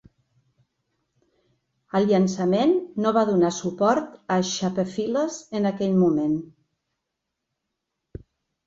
El llançament no va donar suport a Shapefiles en aquell moment.